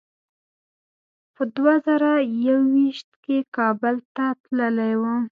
په دوه زره یو ویشت کې کابل ته تللی وم.